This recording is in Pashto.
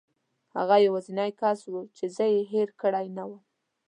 هغه یوازینی کس و چې زه یې هېره کړې نه وم.